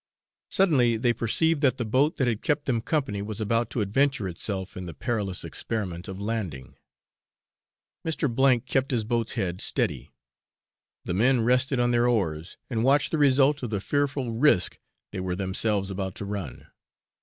Suddenly they perceived that the boat that had kept them company was about to adventure itself in the perilous experiment of landing. Mr. C kept his boat's head steady, the men rested on their oars, and watched the result of the fearful risk they were themselves about to run.